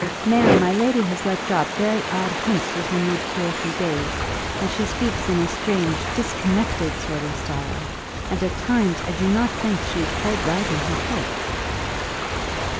Ma'am, my lady has let drop very odd hints within these two or three days, and she speaks in a strange disconnected sort of style, and at times I do not think she is quite right in her head."